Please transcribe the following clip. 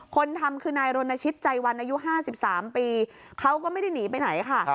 คนทำคือนายรณชิตใจวันอายุ๕๓ปีเขาก็ไม่ได้หนีไปไหนค่ะ